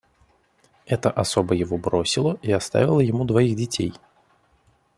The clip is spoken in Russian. Эта особа его бросила и оставила ему двоих детей.